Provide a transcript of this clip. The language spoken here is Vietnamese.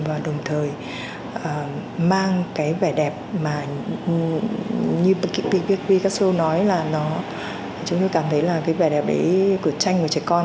và đồng thời mang cái vẻ đẹp mà như picasso nói là chúng tôi cảm thấy là cái vẻ đẹp đấy của tranh của trẻ con